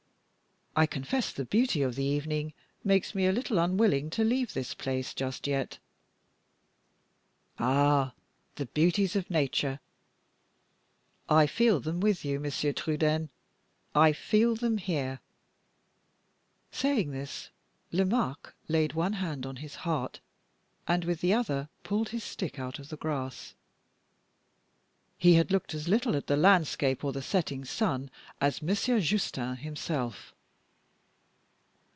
"I confess the beauty of the evening makes me a little unwilling to leave this place just yet." "Ah! the beauties of Nature I feel them with you, Monsieur Trudaine; I feel them here." Saying this, Lomaque laid one hand on his heart, and with the other pulled his stick out of the grass. He had looked as little at the landscape or the setting sun as Monsieur Justin himself.